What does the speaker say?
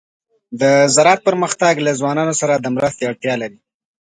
د زراعت پرمختګ له ځوانانو سره د مرستې اړتیا لري.